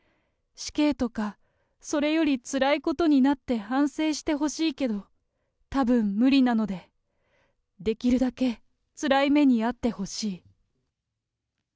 死刑とか、それよりつらいことになって反省してほしいけど、たぶん無理なので、できるだけつらい目に遭ってほしい。